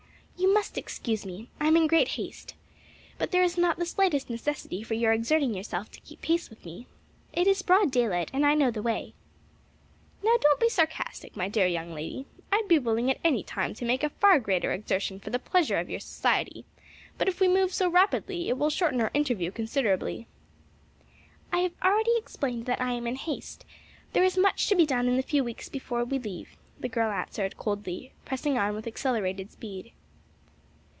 "You must excuse me; I am in great haste. But there is not the slightest necessity for your exerting yourself to keep pace with me. It is broad daylight and I know the way." "Now don't be sarcastic, my dear young lady. I'd be willing at any time to make a far greater exertion for the pleasure of your society; but if we move so rapidly it will shorten our interview considerably." "I have already explained that I am in haste; there is much to be done in the few weeks before we leave," the girl answered coldly, pressing on with accelerated speed.